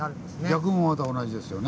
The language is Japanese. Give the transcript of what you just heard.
逆もまた同じですよね。